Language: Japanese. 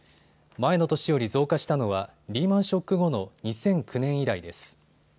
前の年より増加したのはリーマンショック後の２００９年以来です。